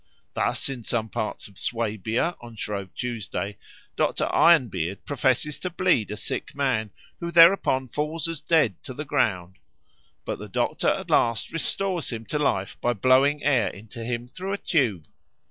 Thus, in some parts of Swabia on Shrove Tuesday Dr. Iron Beard professes to bleed a sick man, who thereupon falls as dead to the ground; but the doctor at last restores him to life by blowing air into him through a tube.